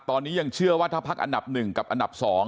ตอนนี้ยังเชื่อว่าถ้าพักอันดับ๑กับอันดับ๒